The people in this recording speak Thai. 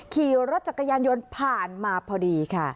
ขี่รถจักรยานยนต์ผ่านมาพอดีค่ะ